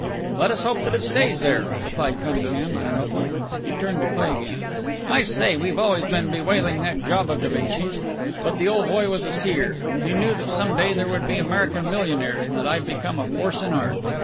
"Let us hope that it stays there," replied Cunningham, unruffled. He turned to Cleigh again: "I say, we've always been bewailing that job of Da Vinci's. But the old boy was a seer. He knew that some day there would be American millionaires and that I'd become a force in art.